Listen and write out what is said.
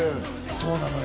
そうなのよ！